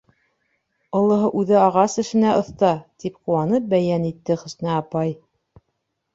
Олоһо үҙе ағас эшенә оҫта, — тип ҡыуанып бәйән итте Хөснә апай.